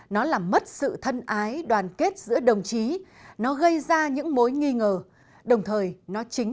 nó làm mất sự thân ái đoàn kết giữa đồng chí nó gây ra những mối nghi ngờ